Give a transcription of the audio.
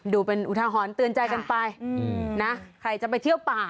ดูเป็นอุทหรณ์เตือนใจกันไปนะใครจะไปเที่ยวป่า